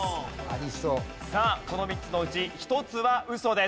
さあこの３つのうち１つはウソです。